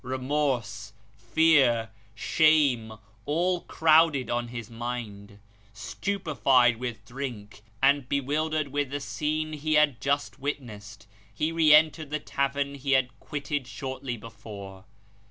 Remorse, fear, shame, all crowded on his mind. Stupefied with drink, and bewildered with the scene he had just witnessed, he re entered the tavern he had quitted shortly before.